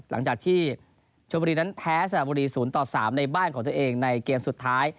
หลังจากที่ชมบุรีนั้นแพ้สระบุรี๐ต่อ๓ในบ้านของตัวเองในเกมสุดท้าย